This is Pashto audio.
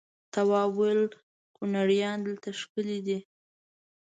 تواب وويل: کنریانې دلته ښکلې دي.